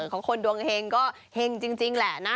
ของคนดวงเฮงก็เห็งจริงแหละนะ